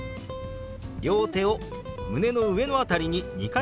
両手を胸の上の辺りに２回ほど当てます。